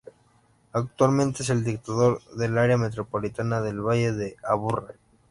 Actualmente es el director del Área Metropolitana del Valle de Aburrá.